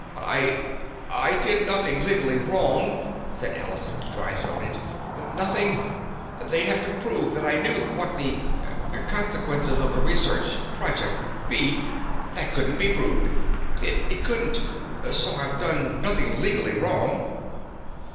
"I—I did nothing legally wrong!" said Allison, dry throated. "Nothing! They'd have to prove that I knew what the—consequences of the research project would be. That couldn't be proved! It couldn't! So I've done nothing legally wrong...."